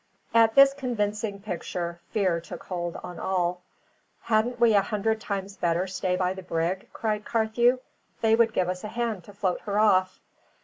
At this convincing picture, fear took hold on all. "Hadn't we a hundred times better stay by the brig?" cried Carthew. "They would give us a hand to float her off."